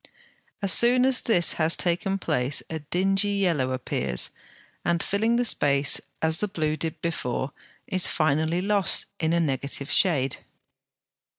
As soon as this has taken place a dingy yellow appears, and, filling the space as the blue did before, is finally lost in a negative shade.